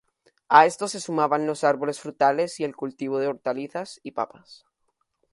A esto se sumaban los árboles frutales y el cultivo de hortalizas y papas.